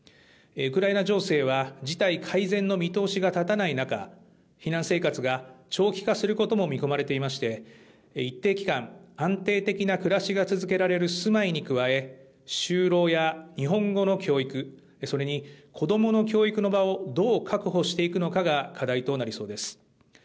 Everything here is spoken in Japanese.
ウクライナ情勢は事態改善の見通しが立たない中、避難生活が長期化することも見込まれていまして、一定期間、安定的な暮らしが続けられる住まいに加え、就労や日本語の教育、それに子どもの教育の場をどう確保していくのかが課題となりそうです。